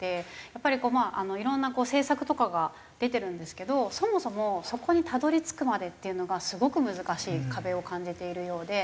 やっぱりいろんな政策とかが出てるんですけどそもそもそこにたどり着くまでっていうのがすごく難しい壁を感じているようで。